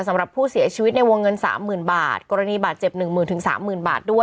สำหรับผู้เสียชีวิตในวงเงินสามหมื่นบาทกรณีบาดเจ็บหนึ่งหมื่นถึงสามหมื่นบาทด้วย